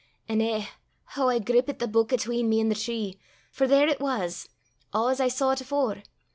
An' eh! hoo I grippit the buik atween me an' the tree for there it was a' as I saw 't afore!